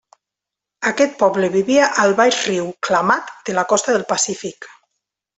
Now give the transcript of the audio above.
Aquest poble vivia al baix riu Klamath de la costa del Pacífic.